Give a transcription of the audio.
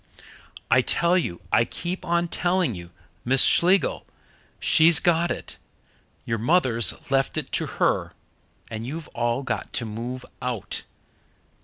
"I tell you I keep on telling you Miss Schlegel she's got it your mother's left it to her and you've all got to move out!"